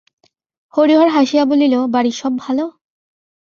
হরিহর হাসিয়া বলিল, বাড়ির সব ভালো?